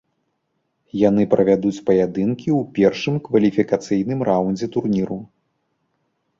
Яны правядуць паядынкі ў першым кваліфікацыйным раундзе турніру.